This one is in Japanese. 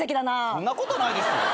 そんなことないですよ。